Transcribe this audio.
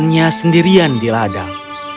dia hanya sendirian di ladang